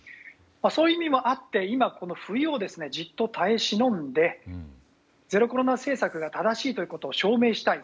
そういう意味もあって今、この冬をじっと耐えしのんでゼロコロナ政策が正しいということを証明したい。